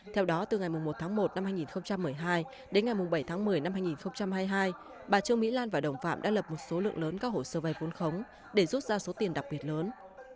theo đó từ ngày một tháng một năm hai nghìn một mươi hai đến ngày bảy tháng một mươi năm hai nghìn hai mươi hai bà trương mỹ lan và đồng phạm đã lập một số lượng lớn các hồ sơ vay vốn khống để rút ra số tiền đặc biệt lớn